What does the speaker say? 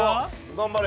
頑張れ。